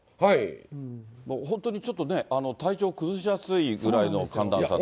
本当にちょっとね、体調崩しやすいぐらいの寒暖差ですね。